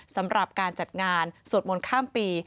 สำหรับการจัดงานสวดมนต์ข้ามปี